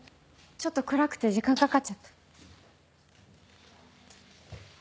ちょっと暗くて時間かかっちゃった。